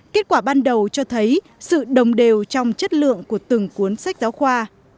kết quả ban đầu cho thấy sự đồng đều trong chất lượng của từng cuốn sách giáo khoa